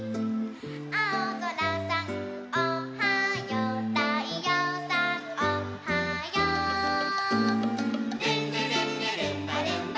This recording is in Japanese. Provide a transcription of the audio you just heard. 「あおぞらさんおはよう」「たいようさんおはよう」「ルンルルンルルンバルンバ」